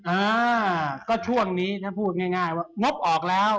อ่าก็ช่วงนี้ถ้าพูดง่ายว่างบออกแล้ว